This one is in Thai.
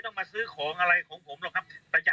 สวัสดีครับ